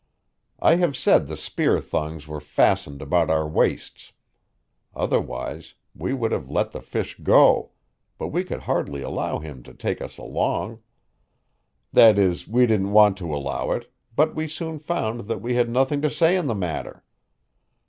I have said the spear thongs were fastened about our waists. Otherwise, we would have let the fish go; but we could hardly allow him to take us along. That is, we didn't want to allow it; but we soon found that we had nothing to say in the matter.